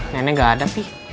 nenek gak ada pi